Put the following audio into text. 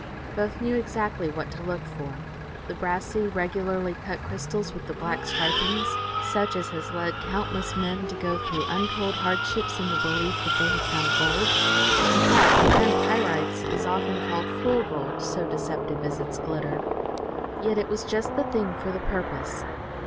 Both knew exactly what to look for: the brassy, regularly cut crystals with the black stripings, such as has led countless men to go through untold hardships in the belief that they had found gold. In fact, iron pyrites is often called "fool gold," so deceptive is its glitter. Yet, it was just the thing for the purpose.